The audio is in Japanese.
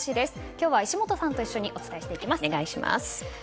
今日は石本さんと一緒にお伝えしていきます。